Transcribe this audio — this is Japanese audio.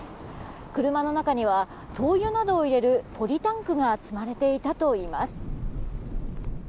車の中には灯油などを入れるポリタンクが積まれていたといいます。